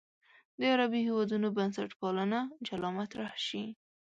د عربي هېوادونو بنسټپالنه جلا مطرح شي.